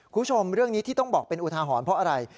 คุณผู้ชมเรื่องนี้ที่ต้องบอกเป็นอุทาหรณ์เพราะอะไร